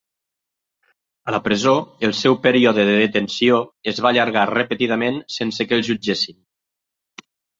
A la presó, el seu període de detenció es va allargar repetidament sense que el jutgessin.